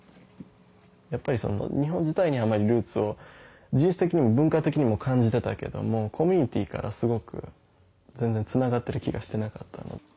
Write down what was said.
やっぱりその日本自体にあまりルーツを人種的にも文化的にも感じてたけどもコミュニティーからすごく全然つながってる気がしてなかったの。